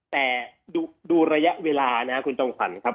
แต่ดูระยะเวลานะคุณจนถั่วครับ